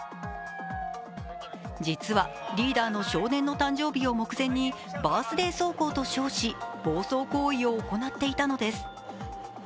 実はリーダーの少年の誕生日を目前にバースデー走行と称し暴走行為を行っていたのです。